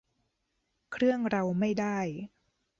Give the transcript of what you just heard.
เครื่องเราไม่ได้